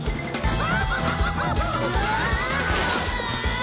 あ！